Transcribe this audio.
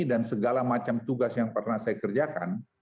dan segala macam tugas yang pernah saya kerjakan